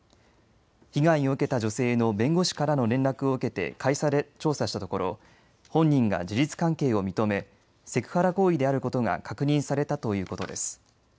被害を受けた女性の弁護士からの連絡を受けて会社で調査したところ本人が事実関係を認めセクハラ行為であることが確認されたということです。